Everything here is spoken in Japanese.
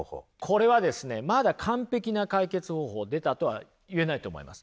これはですねまだ完璧な解決方法出たとは言えないと思います。